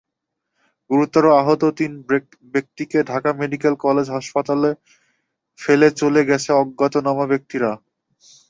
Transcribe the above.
গুরুতর আহত তিন ব্যক্তিকে ঢাকা মেডিকেল কলেজ হাসপাতালে ফেলে চলে গেছে অজ্ঞাতনামা ব্যক্তিরা।